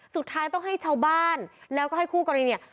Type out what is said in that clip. สุดท้ายต้องให้ชาวบ้านแล้วก็ให้คู่กรณีเนี่ย